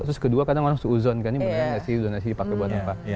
terus kedua kadang orang harus uzon kan ini beneran nggak sih donasi dipakai buat apa